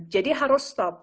jadi harus stop